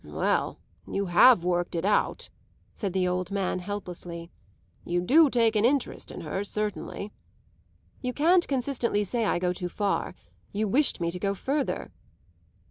"Well, you have worked it out," said the old man helplessly. "You do take an interest in her, certainly." "You can't consistently say I go too far. You wished me to go further."